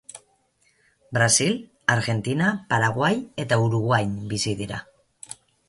Brasil, Argentina, Paraguai eta Uruguain bizi dira.